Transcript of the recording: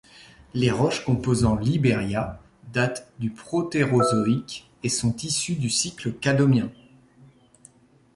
Les roches composant l'Iberia datent du Protérozoïque et sont issues du cycle cadomien.